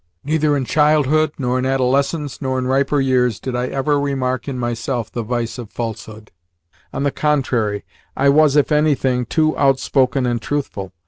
Neither in childhood nor in adolescence nor in riper years did I ever remark in myself the vice of falsehood on the contrary, I was, if anything, too outspoken and truthful.